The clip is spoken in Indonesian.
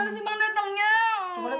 bersama eh boyangnya udah bener